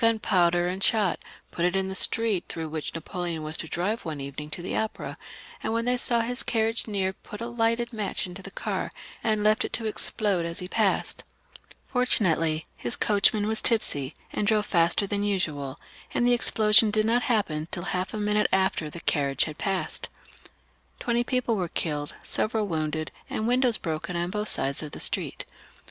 ] DIRECTORY AND CONSULATE, 429 powder and shot, put it in a street through which Napoleon was to drive one evening to the opera, and when they saw his carriage near put a lighted match into the cart and left it to explode as he passed. Fortunately, his coachman was tipsy, and drove faster than usual, and the explosion did not happen till half a minute after the carriage had passed. Twenty people were killed, several wounded, and windows broken on both sides of the street.